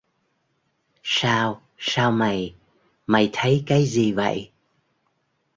sao, sao mày, mày thấy cái gì vậy